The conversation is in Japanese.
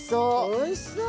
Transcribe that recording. おいしそう！